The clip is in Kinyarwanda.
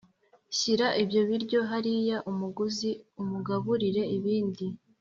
shyira ibyo biryo hariya umuguzi umugaburire ibindi"